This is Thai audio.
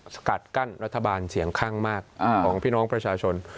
สกัดกั้นรัฐบาลเสียงข้างมากของพี่น้องประชาชน